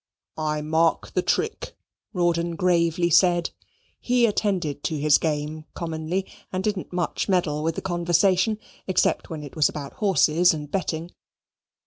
"I mark the trick," Rawdon gravely said. He attended to his game commonly and didn't much meddle with the conversation, except when it was about horses and betting.